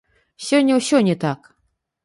Сёння ўсё не так.